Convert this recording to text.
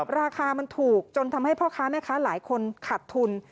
ราคามันถูกจนทำให้พ่อค้าแม่ค้าหลายคนขาดทุน